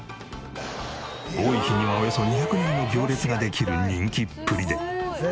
多い日にはおよそ２００人の行列ができる人気っぷりで。